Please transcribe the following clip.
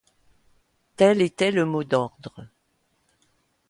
tel était le mot d’ordre.